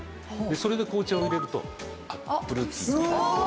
それで紅茶を入れるとアップルティーに。